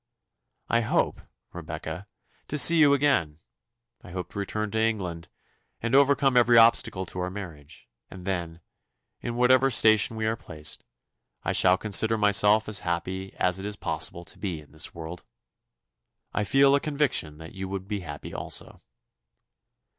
"I hope, Rebecca, to see you again; I hope to return to England, and overcome every obstacle to our marriage; and then, in whatever station we are placed, I shall consider myself as happy as it is possible to be in this world. I feel a conviction that you would be happy also.